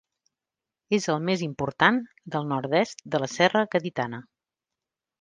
És el més important del nord-est de la serra gaditana.